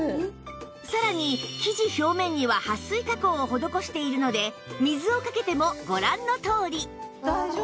さらに生地表面には撥水加工を施しているので水をかけてもご覧のとおり